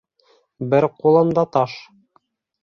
Бер ҡулында таш.